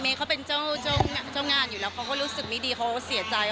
เขาเป็นเจ้างานอยู่แล้วเขาก็รู้สึกไม่ดีเขาเสียใจ